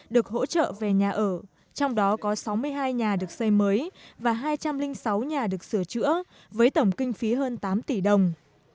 được hỗ trợ về nhà ở trong đó có sáu mươi hai nhà được xây mới và hai trăm linh sáu nhà được sửa chữa với tổng kinh phí hơn tám tỷ đồng